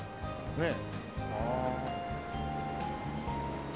ねえ？